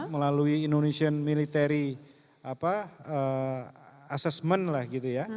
melalui indonesian military assessment